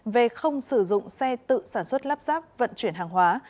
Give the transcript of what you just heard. về không sử dụng xe tự sản xuất lắp ráp vận chuyển hàng hóa